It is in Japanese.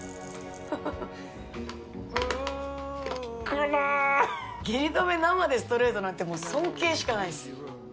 下痢止め生でストレートなんてもう尊敬しかないっす。